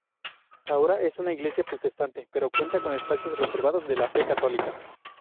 Ahora es una iglesia protestante, pero cuenta con espacios reservados a la fe católica.